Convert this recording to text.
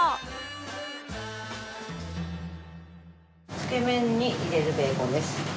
つけ麺に入れるベーコンです。